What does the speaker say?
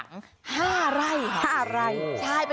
ครับ